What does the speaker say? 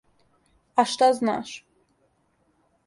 А шта знаш!